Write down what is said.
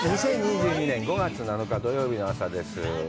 ２０２２年５月７日土曜日の朝です。